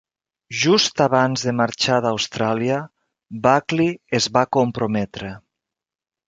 Just abans de marxar d'Austràlia, Buckley es va comprometre.